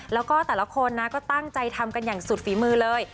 แล้วก็แต่ละคนนะก็ตั้งใจทำกันอย่างสุดฝีมือเลย